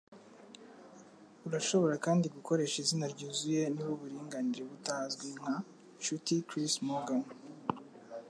Urashobora kandi gukoresha izina ryuzuye niba uburinganire butazwi; nka "Nshuti Chris Morgan."